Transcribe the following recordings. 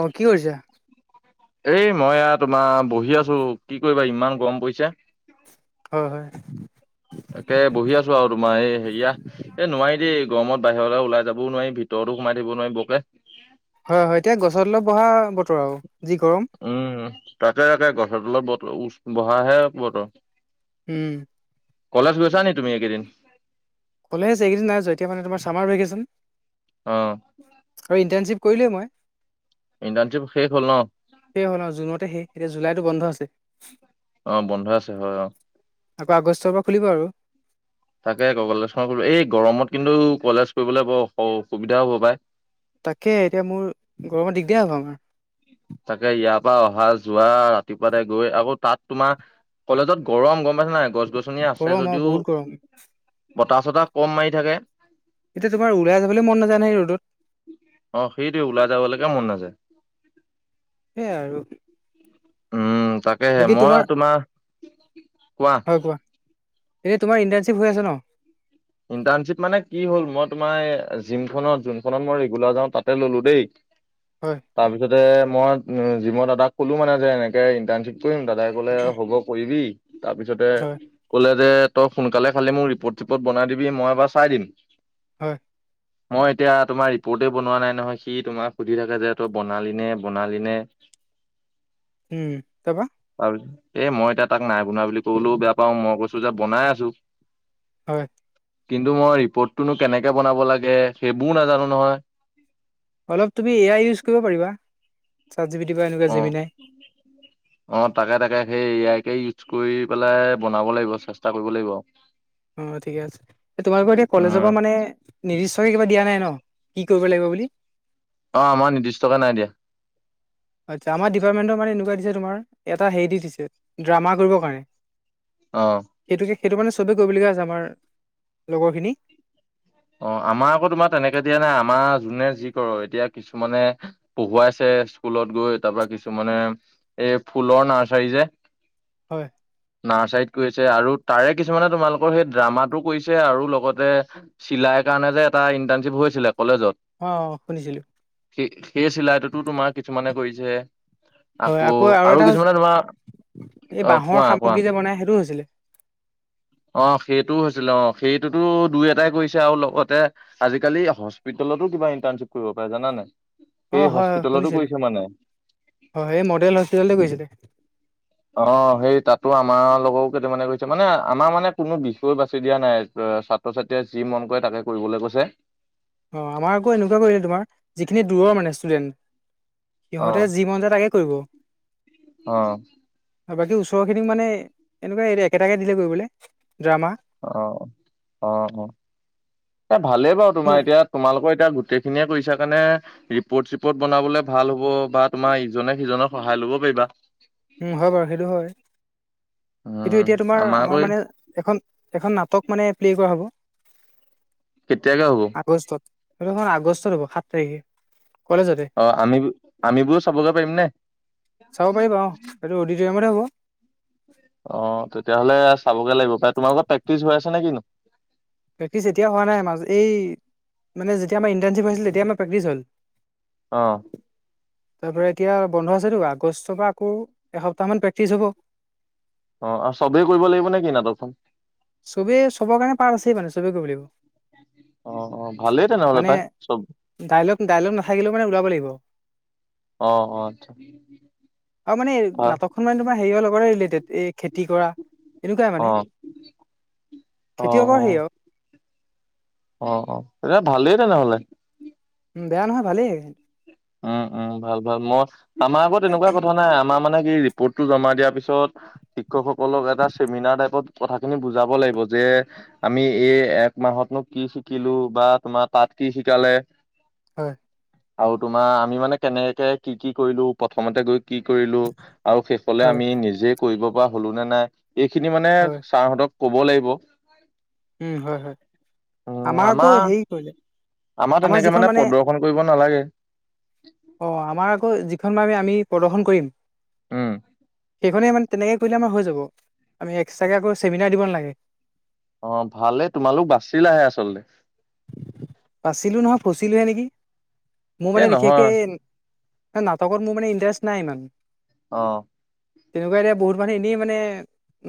অ কি কৰিছা সেই মই আও তোমাৰ বহি আছোঁ, কি কৰিবা ইমান গৰম পৰিছে। হয় হয়। তাকে বহি আছো আৰু তোমাৰ এ হেৰিয়া। এ নোৱাৰি দেই, গৰমত বাহিৰলে ওলাই যাবওোৱাৰিম ভিতৰতো সোমাই থাকিব নোৱাৰি বকে। হয় হয় এতিয়া গছ তলত বহা বতৰ আৰু যি গৰম উম তাকে তাকে গছৰ তলৰ বতৰ বহাহে বতৰ। উম। কলেজ গৈছা নি তুমি একেইদিন? কলে আজি এইকেইদিনাই এয়া মানে তাৰ চামাৰ ভেকেচন। অ, আৰু ইণ্টাৰ্ণশ্বিপ কৰিলোৱেই মই ইণ্টাৰনশিপ শেষ হ'ল ন? শেষেই হ'ল আৰু জুনতে শেষ, এতিয়া জুলাইটো বন্ধ আছে। অ, বন্ধই আছে হয় অঁ। আকৌ আগষ্টৰ পৰা খুলিব আৰু। তাকে কবলে চো এই গৰমত কিন্তু কলেজ কৰিবলৈ বৰ অসুবিধাও হ'ব পায়। তাকে এতিয়া মোৰ গৰমত দিগদাৰ হব আমাৰ। তাকে ইয়াৰ পৰা অহা যোৱা ৰাতিপুৱাতে গৈ আকৌ তাত তোমাৰ কলেজত গৰম গম পাইছ নাই? গছ গছনি আছে গৰম আৰু যদিও বহুত গৰম বতাহ, চতা কম মাৰি থাকে। এতিয়া তুমাৰ ওলাই যাবলৈ মন নাযায় নহয় ৰ'দত। অ সেইটোৱেই, ওলাই যাবলৈকে মন নাযায়। সেইয়াই আৰু। উম তাকেহে, মই আ তোমাৰ কোৱা। এই‌ তোমাৰ ইনটাৰনছিপ হৈ আছে ন ইণ্টাৰ্ণশ্বিপ মানে কি হল মই তোমাৰ, জিমখনত যোনখনত মই ৰেগুলাৰ যাওঁ তাতে ললো দেই। হয়। তাৰপিছতে মই উ জিমৰ দাদাক কলো মানে যে এনেকে ইন্টাৰ্নশ্বিপ কৰিম দাদাই ক'লে হ'ব কৰিবি তাৰপিছতে হয় কলে যে তই সোনকালে খালি মোক ৰিপৰ্ট চিপৰ্ট বনাই দিবি মই বাৰ চাই দিম। হয়। মই এতিয়া তোমাৰ ৰিপৰ্টে বনোৱা নাই নহয়। সি তোমাক সুধি থাকে যে তই বনালি নে বনালি নে? উম তাৰপা? তাৰপি এই মই এতিয়া তাক নাই বনোৱা বুলি ক'বলৈও বেয়া পাওঁ মই কৈছো যে বনাই আছো। হয়। কিন্তু মই ৰিপৰ্টটোনো কেনেকে বনাব লাগে, সেইবোৰও নাজানো নহয়। অলপ তুমি এয়াই ইউজ কৰিব পাৰিবা। চাত জিপিটি বা এনেকুৱা জেমিনাই। অঁ তাকে তাকে সেই এয়াইকে ইউজ কৰি পেলাই বনাব লাগিব চেষ্টা কৰিব লাগিব। অ ঠিকে আছে। সে তোমালোকৰ এতিয়া কলেজৰ উম, পৰা মানে নিৰ্দিষ্টকে কিবা দিয়া নাই ন, কি কৰিব লাগিব বুলি? অ আমাৰ নিৰ্দিষ্টকে নাই দিয়া। আচ্ছা আমাৰ ডিপাৰ্টমেণ্টৰ মানে এনেকুৱা দিছে তোমাৰ, এটা হেৰি দিছে ড্ৰামা কৰিবৰ কাৰণে। অঁ সেইটোকে সেইটো মানে চবেই কৰিবলগীয়া আছে আমাৰ লগৰ খিনিক। অ', আমাৰ আকৌ তোমাৰ তেনেকে দিয়া নাই আমাৰ যোনে যি ক'ৰ এতিয়া কিছুমানে পঢ়োৱাইছে স্কুলত গৈ তাপা কিছুমানে এই ফুলৰ নাৰ্চাৰী যে হয়, নাৰ্চাৰীত কৰিছে আৰু তাৰে কিছুমানে তোমালোকৰ সেই ড্ৰামাটো কৰিছে আৰু লগতে চিলাই কাৰণে যে এটা ইণ্টাৰ্ণশ্বিপ হৈছিলে কলেজত অ', শুনিছিলো সেই সেই চিলাইটোতো তোমাৰ কিছুমানে কৰিছে। আকৌ আৰু কিছুমানে তোমাৰ এই অ', বাঁহৰ কোৱা কোৱা? সামগ্ৰী যে বনাই সেইটোও হৈছিলে অ', সেইটোও হৈছিলে অ', সেইটোতো দুই এটাই কৰিছে আৰু লগতে আজিকালি হস্পিতেলতো কিবা ইণ্টাৰ্ণশ্বিপ কৰিব পাৰে জানা নাই! সেই অঁ', হয়, হয়, হস্পিতেলতো শুনিছিলোঁ কৰিছে মানে হয়, এই মডেল হস্পিটেলতে গৈছিলে অ', সেই তাতো আমাৰ লগৰ কেইটামানে গৈছে মানে আমাৰ মানে কোনো বিষয় বাছি দিয়া নাই ছাত্ৰ ছাত্ৰীয়ে যি মন কৰে তাকে কৰিবলৈ কৈছে অ', আমাৰ আকৌ এনেকুৱা কৰিলে তোমাৰ যিখিনি দূৰৰ মানে ষ্টুডেণ্ট অ সিহঁতে যি মন যায় তাকে কৰিব। অ বাকী ওচৰৰখিনিক মানে এনেকুৱা হেৰী একেটাকে দিলে কৰিবলৈ ড্ৰামা অ', অ', অ', এ ভালেই বাৰু তোমাৰ এতিয়া তোমালোকৰ এতিয়া গোটেইখিনিয়ে কৰিছা কাৰণে ৰিপৰ্ট চিপৰ্ট বনাবলে ভাল হ'ব বা তোমাৰ ইজনে সিজক সহায় ল'ব পাৰিবা। উম, হয়, বাৰু সেইটো হয়, উম কিন্তু এতিয়া তোমাৰ আকৌ আমাৰ মানে এখন এখন নাটক মানে প্লে কৰা হ'ব। কেতিয়াকে হ'ব? আগষ্টত সেইটো আগষ্টত হ'ব সাত তাৰিখে কলেজতে অ', আম আমিবোৰও চাবগে পাৰিম নে? চাব পাৰিবা অ', এইটো অডিটায়ামতে হ'ব। অ', তেতিয়াহ'লে চাবগে লাগিব পাই তোমা লোকৰ প্ৰেক্টিচ হৈ আছে নে কিনো? প্ৰেক্টিচ এতিয়া হোৱা নাই মাজ এই মানে যেতিয়া আম ইণ্টাৰ্শ্বিপ হৈছিলে তেতিয়া আমাৰ প্ৰেক্টিছ হ'ল। অ' তাপা এতিয়া বন্ধ আছেতো আগষ্টৰ পৰা আকৌ এসপ্তাহ মান প্ৰেক্টিচ হ'ব। অ', চবেই কৰিব লাগিব নে কি নাটক খন? চবেই চবৰ কাৰণে পাৰট আছেই মানে চবেই কৰিব লাগিব। অ', অ', ভালেই তেনেহ'লে মানে পাই চব ডাইলগ ডাইলগ নাথাকিলেও মানে ওলাব লাগিব অ অ আচ্ছা আৰু মানে ভা নাটকখন মানে তোমাৰ হেৰিয়ৰ লগৰে ৰিলেটেড এ খেতি কৰা এনেকুৱাই অ মানে। অ অ খেতিয়কৰ হেৰী অ অ', অ', তেতিয়া ভালেই তেনেহলে। বেয়া নহয় ভালেইে। উম, উম, ভাল ভাল মই আমাৰ আকৌ তেনেকুৱা কথা নাই আমাৰ মানে কি পৰ্টটো জমা দিয়াৰ পিছত শিক্ষকসকলক এটা চেমিনাৰ টাইপত কথাখিনি বুজাব লাগিব যে আমি এই এক মাহতনো কি শিকিলো বা তোমাৰ তাত কি শিকালে হয়। আৰু তোমাৰ আমি মানে কেনেকে কি কি কৰিলো প্ৰথমতে গৈ কি কৰিলো আৰু কলে হয় আমি নিজে কৰিব পৰা হলো নে নাই এইখিনি মানে হয় ছাৰহঁতক কব লাগিব। উম, হয়, হয়, আমাৰ আকৌ হেৰি কৰিলে আমাৰ যিখন মানে ফন কৰিব নালাগে। অ', আমাৰ আকৌ যিখন মানে আমি আমি প্ৰদৰ্শন কৰিম উম। সেইখনে মান তেনেকে কৰিলে আমাৰ হৈ যাব আমি এক্সট্ৰাকে আকৌ চেমিনাৰ দিব নালাগে। অ ভালে তোমালোক বাচিলাহে আচলতে বাছিলোঁ নহয় ফচিলোহে নেকি মোৰ এ মানে নহয় বিশেষকে ন নাটকৰ মোৰ মে ইণ্টাৰেষ্ট নাই ইমান। অ তেনেকুৱা এতিয়া বহুত মানুহ এনেই মানে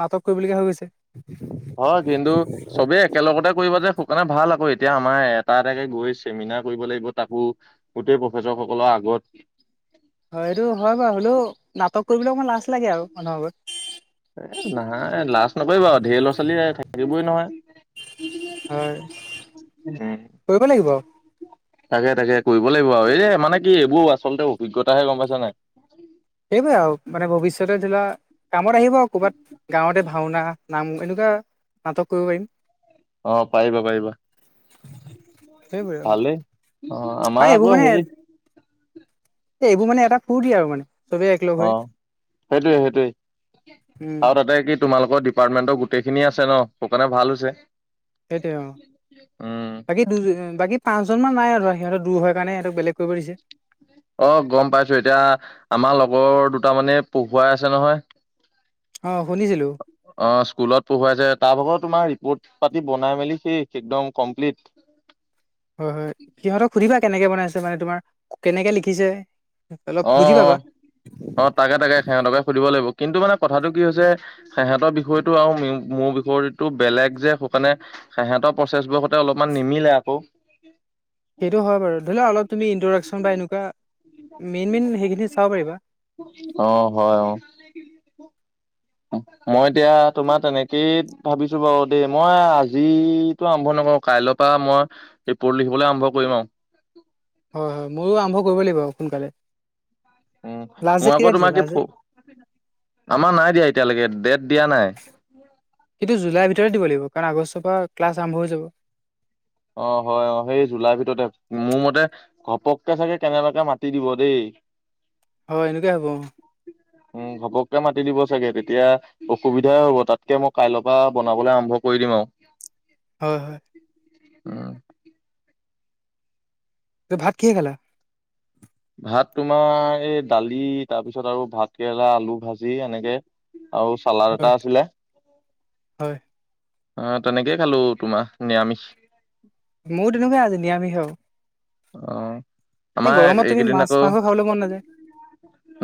নাটক কৰিবলগীয়া হৈ গৈছে। অ কিন্তু চবেই একেলগতে কৰিবা যে সুকানে ভাল আকৌ এতিয়া আমাৰ এটা এটাকে গৈ চেমিনাৰ কৰিব লাগিব। তাকো গোটেই প্ৰফেচৰ সকলৰ আগত হয় এইটো হয় বাৰু হ'লেও নাটক কৰিবলৈ অকণমান লাজ লাগে আৰু মানুহবত এ নহয় লাজ নকৰিব আৰু ঢেৰ ল'ৰা ছোৱালী থাকিবই নহয়। হয় উম কৰিব লাগিব। তাকে তাকে কৰিব লাগিব আৰু এই মানে কি এইবোৰ আচলতে অভিজ্ঞতাহে গম পাইছ নাই। সেইবাবে আৰু মানে ভৱিষ্যতে ধৰি লোৱা কামত আহিব আৰু ক'ৰবাত- গাঁৱতে ভাওনা, নাম এনেকুৱা নাটক কৰিব পাৰিম। অ পবা পবা। সেইবোৰ ভালেই আমাৰ অ আকৌ এইবোৰ মানে হেৰি এইবোৰ মানে এটা ফুৰৰ্তি আৰু মানে। চবেই একলগ অ হৈ সেইটোৱে সেইটয়ে উম আৰু তাতে কি তোমালোকৰ ডিপাৰ্টমেন্টৰ গোটেই খিনি আছে ন সেই কাৰণে ভাল হৈছে। উম দুজন বাকী পাঁচজনমান নাই আৰু সিহঁৰ দূৰ কাৰেিহঁতক বেলেগ কৰিব দিছে। অ গম পাইছো এতিয়া আমাৰ লগৰ দুট মানে পঢ়োৱাই আছে নহয়। অ শুনিছিলোঁ। অ স্কুলত পঢ়াইছে তাৰ ভাগত তোমাৰ ৰিপৰ্ট পাতি বনাই মেলি শেইষ একদম কমপ্লিট। হয় হয় সিহঁতক সুধিবা কেনেকে বনাইছে মানে তোমাৰ কেনেকে লিখিছে অলপ অ বুজি অ পাবা অ তাকে তাকে সিহঁতকে সুধিব লাগিব কিন্তু মানে কথাটো কি হৈছে। সিহঁতৰ বিষয়টো আৰু মোৰ বিষয়টো বেলেগ যে সেইকাৰণে সিহঁতৰ প্ৰচেছবোৰ সতে অলপমান নিমিলে আকৌ সেইটো হয় বাৰু ধৰি লও অলপ তুমি ইনট্ৰডাকশ্যন বা এনেকুৱা মেইন মেইন সেইখিনি চাব পাৰিবা। অ হয় অ [inaudible] মই এতিয়া তোমাৰ তেনেকেই ভাবিছো বাৰু দেই মই আজিতো আৰম্ভ নকৰো কাইলৈৰ পৰা মই ৰিপৰ্ট লিখিবলৈ আৰম্ভ কৰিম আৰু হয় হয় ময়ো আৰম্ভ কৰিব লাগিব সোনকালে উ লাষ্ট মই ডেট আকৌ কেতিয়া দিছে তোমাক কি লাষ্ট ডেট আমাৰ নাই দিয়া এতিয়ালৈকে ডেট দিয়া নাই। সেইটো জুলাইৰ ভিতৰতে দিব লাগিব কাৰণ আগষ্টৰ পৰা ক্লাছ আৰম্ভ হৈ যাব। অ হয় অ সেই জুলাই ভিতৰতে মোৰ মতে- ঘপককে চাগে কেনেলৈকে মাতি দিব দেই- হয় এনেকে হ'ব অ উম ঘপককে মাতি দিব চাগে তেতিয়া। অসুবিধাই হ'ব তাতকে মই কাইল পা বনাবলে আৰম্ভ কৰি দিম আও। হয়, হয় উম তই ভাত কিহে খালা? ভাত তোমাৰ এই দালি তাৰপিছত আৰু ভাতকেৰেলা আলু ভাজি এনেকে। আও চালাড হয় এটা আছিলে, হয় এ তেনেকেই খালো তোমাৰ নিৰামিষ। মোইয়ো তেনেকুৱাই আজ নিয়ামিষ আও অ এই আমাৰ গৰমত তুমি এইকেইদিন মাছ আকৌ মাংস খাবলৈ মন নাযায়।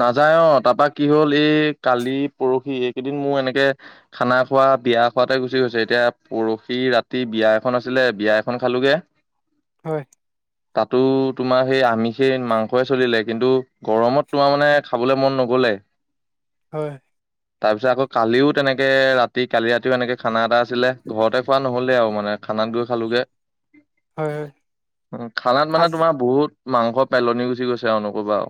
নাযায় অ, তাৰপা কি হ'ল এই কালি পৰহি এইকেইদিন মোৰ এনেকে - খানা খোৱা, বিয়া খোৱাতে, গুচি গৈছে। এতিয়া পৰহি ৰাতি বিয়া এখন আছিলে বিয়া এখন খালোগে। হয়, তাতো তোমাৰ সেই আমিষেই মাংসয়ে চলিলে, কিন্তু গৰমত তোমাৰ মানে খাবলৈ মন নগলে। হয়, তাৰপিছত আকৌ কালিও তেনেকে ৰাতি কালি ৰাতিও এনেকে খানা এটা আছিলে, ঘৰতে খোৱা নহ'লেও মানে। খানাত গৈ খালোঁগে। হয়, হয়। খানাত মানে আজি তোমাৰ বহুত মাংস পেলনি গুচি গৈছে আও নক'বা আও।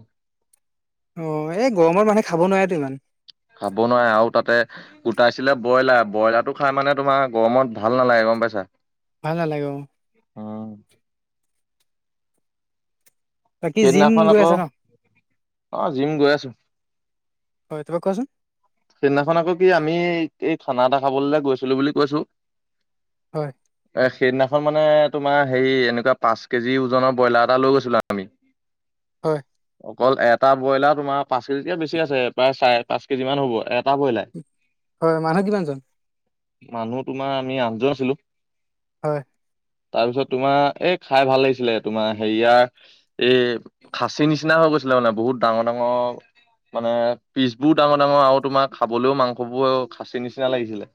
অ এই গৰমৰ মানুহে খাব নোৱাতো ইমান। খাব নোৱাৰে আৰু তাতে - কোটাইছিলে ব্ৰইলাৰ ব্ৰইলাৰটো খাই মানে তোমাৰ গৰমত ভাল নালাগে গম পাইছা। ভাল নালাগে অ। অ, বাকী জিম সেইদিনাখন গৈ আকৌ, আছা ন অ জিম গৈ আছো। হয় তা পা কোৱাচোন! সেইদিনাখন আকৌ কি আমি এই খানা এটা খাবলৈলে গৈছিলো বুলি কৈছো। হয়, সেইদিনাখন মানে তোমাৰ হেৰি এনেকুৱা পাঁচ কেজি ওজনৰ ব্ৰইলাৰ এটা লৈ গৈছিলোঁ আমি। হয়, অকল এটা ব্ৰইলাৰ তোমাৰ পাঁচ কেজিকে বেছি আছে প্ৰায় চাৰে পাঁচ কেজিমান হ'ব এটা ব্ৰইলাৰ। হয়, মানুহ কিমানজন? মানুহ তোমাৰ আমি আঠজন আছিলো। হয়, তাৰপিছত তোমাৰ এই খাই ভাল লাগিছিলে তোমাৰ হেৰিয়াৰ - এই খাচী নিচিনা হৈ গৈছিলে মানে বহুত ডাঙৰ ডাঙৰ মানে পিছবোত। ডাঙৰ ডাঙৰ আৰু তোমাৰ খাবলৈও মাংসবোৰ খাচী নিচিনা লাগিছিলে।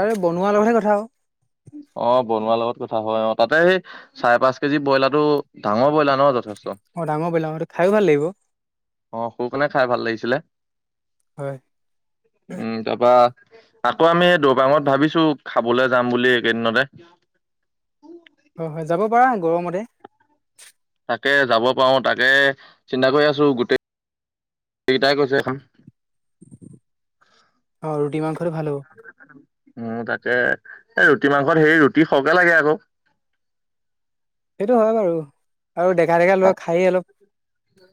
আৰে বনোৱাৰ লগতহে কথা আও অ বনোৱাৰ লগত কথা হয়, অ তাতে সেই- চাৰে পাঁচ কেজি ব্ৰইলাৰটো ডাঙৰ ব্ৰইলাৰ ন যথেষ্ট। অ ডাঙৰ ব‌ইলাৰ এইটো খাইও ভাল লাগিব। অ সেইকাৰণে খাই ভাল লাগিছিলে। হয়, উম তা পা। আকৌ আমি দৰবাঙত ভাবিছো খাবলে যাম বুলি এইকেইদিনতে। হয় হয়, যাব পাৰা গৰমতে। তাকে যাব পাৰো তাকে চিন্তা কৰি আছো গোটেই এইটাই কৈছো এখন। [unintelligible] ৰুটি মাংসটো ভাল হ'ব [unintelligible] উম তাকে এ ৰুটি মাংসত হেৰি ৰুটি সৰহকে লাগে আকৌ। সেইটো হয় বাৰু আৰু ডেকা - ডেকা লৰা খায় অলপ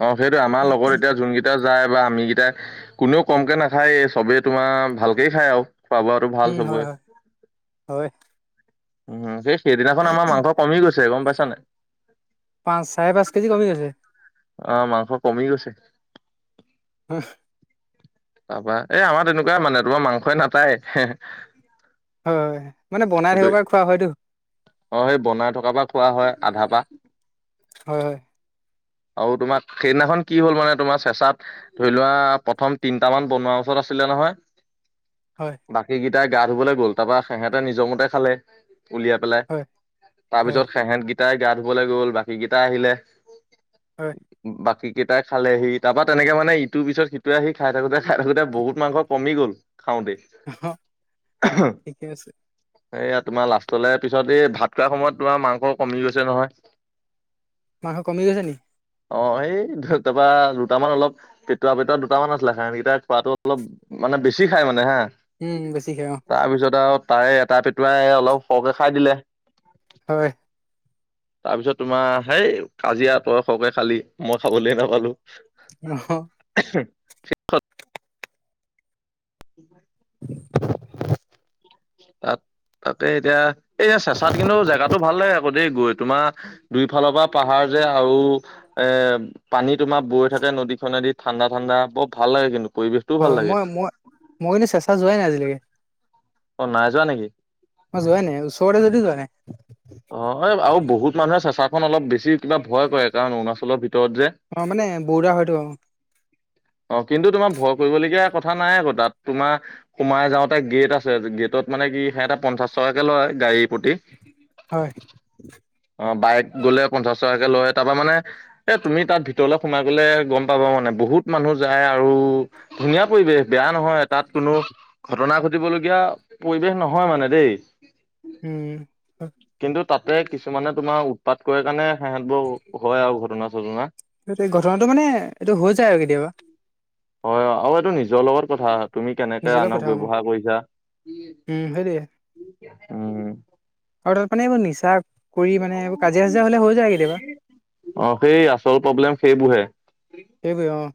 অ সেইটো আমাৰ লগৰ এতিয়া যোনকে টা যায় বা আমি কেইটা কোনেও কমকে নাখায় চবে তোমাৰ ভালকে খায় আৰু। খোৱা বোৱাটো ভাল উম হয় চবৰে হয়, হয়। উম সেই সেইদিনাখন আমাৰ মাংস কমি গৈছে গম পাইছা নাই? পাঁচ চাৰে পাঁচ কেজি কমি গৈছে। অ মাংস কমি গৈছে। হু তাৰপা এই আমাৰ তেনেকুৱা মানে তোমাৰ মাংসই নাটায় এহে। হয় মানে বনাই থাকিব পৰা খোৱা হয়তো। অ', সেই বনাই থকাৰ পৰা খোৱা হয় আধা পা। হয় হয় আৰু তোমাৰ সেইদিনাখন কি হ'ল মানে তোমাৰ চেচাত ধৰি লোৱা প্ৰথম তিনটামান বনোৱাৰ ওচৰত আছিলে নহয়? হয়। বাকীকেইটাই গা ধুবলৈ গ'ল তাৰ পা সিহঁতে নিজৰ মতে খালে উলিয়াই পেলাই। হয়। হয় তাৰপিছত সেহেত গিটাই গা ধুবলৈ গ'ল বাকী গেইটা আহিলে। হয় বাকী কেইটা খালেহি তাৰপৰা তেনেকে মানে ইটোৰ পিছত সিটোৱে আহি খাই থাকোতে খাই থাকোতে বহুত মাংস কমি গ'ল খাওতেই। উহু ঠিকে আছে। এইয়া তোমাৰ লাষ্টলে পিছত এই ভাত খোৱা সময়ত তোমাৰ মাংস কমি গৈছে নহয়। মাংস কমি গৈছে নি? অ', এই তাৰপৰা দুটামান অলপ তেতুৱা পটোৱা দুটামান আছিলে সেহেতকেইটা খোৱাটো অলপ মানে বেছি খাই মানে হা। উম বেছিকে অ তাৰপিছত আৰু তাৰে এটা পটুৱাই অলপ সৰহকে খাই দিলে হয়। তাৰ পিছত তোমাৰ সেই কাজিয়া তই সৰহকে খালি মই খাবলৈ নাপালো। অহ'। আহু। [unintelligible] [unintelligible] তাত তাকে এতিয়া এই চেচাত কিন্তু জেগাটো ভাল লাগে আকৌ দেই গৈ তোমাৰ দুইফালৰ পৰা পাহাৰ যে আৰু এ পানী তোমাৰ বৈ থাকে নদীখনেদি ঠাণ্ডা - ঠাণ্ডা বৰ ভাল লাগে কিন্তু পৰিৱেশ হয় মই মই মই কিন্তু চেচা যোৱাই নাই আজিলৈকে। অ', নাই যোৱা নেকি? মই যোৱাই নাই, ওচৰতে যদি যোৱা নাই। অ', এই আৰু বহুত মানুহে চেচাখন অলপ বেছি কিবা ভয় কৰে কাৰণ অৰুণাচলৰ ভিতৰত যে? অ', মানে বৰ্ডাৰ হয়টো। অ', কিন্তু তোমাৰ ভয় কৰিবলগীয়া কথা নাই আকৌ তাত তোমাৰ সোমাই যাওঁতে গেট আছে গেটত মানে কি সে এটা পঞ্চাশ টকাকে লয় গাড়ীৰ প্ৰতি। হয়। অ', বাইক গলে পঞ্চাছ টকাকে লয় তাৰ পৰা মানে এ তুমি তাত ভিতৰলৈ সোমাই গলে গম পাবা মানে বহুত মানুহ যায় আৰু ধুনীয়া পৰিৱেশ বেয়া নহয় তাত কোনো ঘটনা ঘটিবলগীয়া পৰিৱেশ নহয় মানে দেই। উম। কিন্তু তাতে কিছুমানে তোমাৰ উৎপাত কৰে কাৰণে সেহত বোৰ হয় আৰু ঘটনা চটনা। হেইটো ঘটনাটো মানে এইটো হৈ যায় আৰু কেতিয়াবা। হয় অ', আৰু এইটো নিজৰ লগত কথা। তুমি কেনেকে নিজৰ লগত আনক কথা ব্যৱহাৰ কৰিছা উম সেইটোৱে উম। আৰু তাত মানে এইবোৰ নিচা কৰি মানে এইবোৰ কাজিয়া চাজিয়া হ'লে হৈ যায় কেতিয়াবা। অ', সেই আচল প্ৰব্লেম সেইবোৰহে। সেইবোৰে অ'।